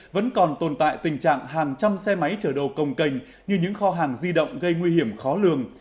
vẫn còn tồn tại tình trạng hàng trăm xe máy chở đồ công cành như những kho hàng di động gây nguy hiểm khó lường